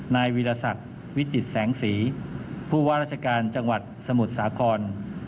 นายวิรสักวิจิตแสงสีผู้ว่าราชการจังหวัดสมุทรสาคร